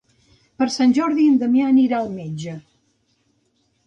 Per Sant Jordi en Damià anirà al metge.